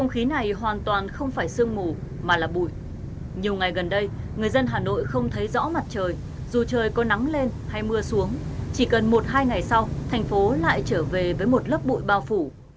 ngày gần đây người dân hà nội không thấy rõ mặt trời dù trời có nắng lên hay mưa xuống chỉ cần một hai ngày sau thành phố lại trở về với một lớp bụi bao phủ